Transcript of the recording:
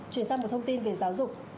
chuyển sang một thông tin về giáo dục